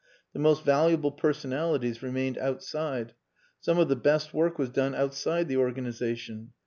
The most valuable personalities remained outside. Some of the best work was done outside the organization.